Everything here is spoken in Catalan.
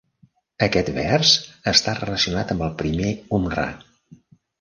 Aquest vers està relacionat amb el primer umra.